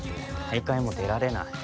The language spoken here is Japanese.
大会も出られない。